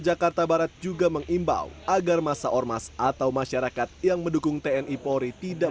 jakarta barat juga mengimbau agar masa ormas atau masyarakat yang mendukung tni polri tidak